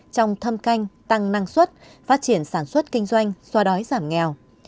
trong thâm canh tăng năng suất phát triển sản xuất kinh doanh xoa đói giảm nghèo